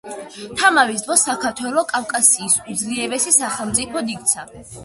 თამარის დროს საქართველო კავკასიის უძლიერეს სახელმწიფოდ იქცა.